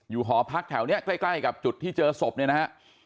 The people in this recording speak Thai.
หอพักแถวนี้ใกล้กับจุดที่เจอศพเนี่ยนะฮะ